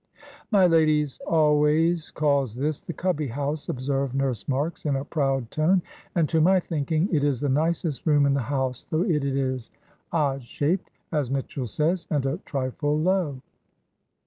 "My ladies always calls this the Cubby house," observed Nurse Marks, in a proud tone, "and to my thinking it is the nicest room in the house, though it is odd shaped, as Mitchell says, and a trifle low."